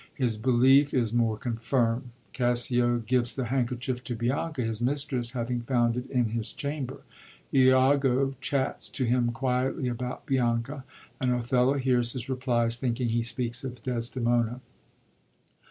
His belief is more confirmd. Cassio gives the handkerchief to Bianca, his mistress, having found it in his chamber. lago chats to him quietly about Bianca, and Othello hears his replies, thinking he speaks of Desdemona.